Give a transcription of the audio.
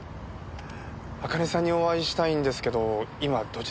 茜さんにお会いしたいんですけど今どちらにいらっしゃいますか？